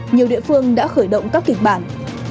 nhiều địa phương đã khởi động các kịch bản